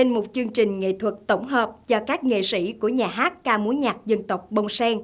nên một chương trình nghệ thuật tổng hợp do các nghệ sĩ của nhà hát ca múa nhạc dân tộc bông sen